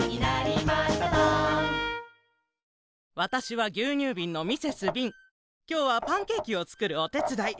わたしはぎゅうにゅうびんのきょうはパンケーキをつくるおてつだい。